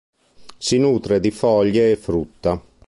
Si nutre di foglie e frutta.